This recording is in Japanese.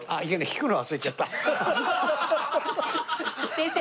先生。